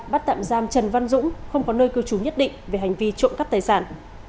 bắt tạm giam trần văn dũng không có nơi cư trú nhất định về hành vi trộm cắp tài sản